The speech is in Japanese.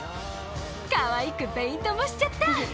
かわいくペイントもしちゃった。